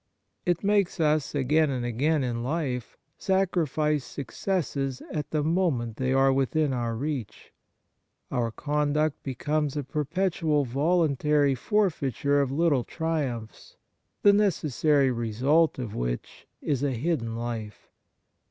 It makes us, again and again in life, sacrifice successes at the moment they are within our reach. Our conduct becomes a per petual voluntary forfeiture of little triumphs, the necessary result of which is a hidden life.